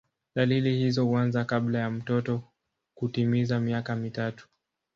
Dalili hizo huanza kabla ya mtoto kutimiza miaka mitatu.